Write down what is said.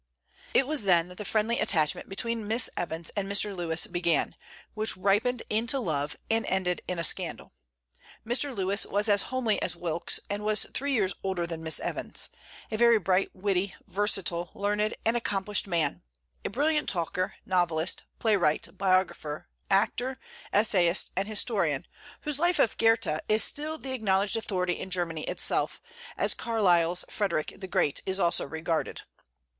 It was then that the friendly attachment between Miss Evans and Mr. Lewes began, which ripened into love and ended in a scandal. Mr. Lewes was as homely as Wilkes, and was three years older than Miss Evans, a very bright, witty, versatile, learned, and accomplished man; a brilliant talker, novelist, playwright, biographer, actor, essayist, and historian, whose "Life of Goethe" is still the acknowledged authority in Germany itself, as Carlyle's "Frederic the Great" is also regarded.